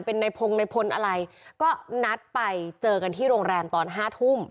เป็นในพงศ์ในพลอะไรก็นัดไปเจอกันที่โรงแรมตอนห้าทุ่ม